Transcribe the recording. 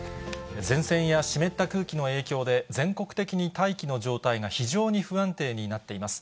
前線や湿った空気の影響で、全国的に大気の状態が非常に不安定になっています。